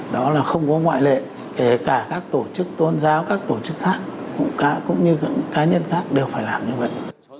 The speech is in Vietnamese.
đó là không có ngoại lệ kể cả các tổ chức tôn giáo các tổ chức khác cũng như các cá nhân khác đều phải làm như vậy